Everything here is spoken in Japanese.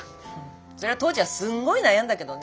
そりゃ当時はすんごい悩んだけどね。